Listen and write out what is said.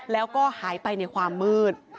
แล้วก็หายไปในความมืด